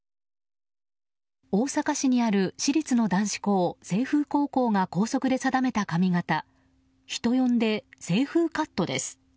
大阪市にある私立の男子校清風高校が校則で定めた髪形人呼んで、清風カットです。